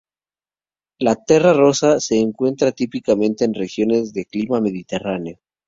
La "terra rossa" se encuentra típicamente en regiones de clima mediterráneo.